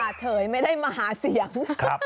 เฉยไม่ได้มาหาเสียง